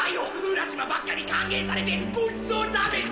浦島ばっかり歓迎されてごちそう食べて！